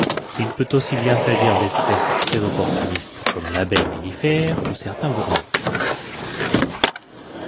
Il peut aussi bien s'agir d'espèces très opportunistes comme l'abeille mellifère ou certains bourdons.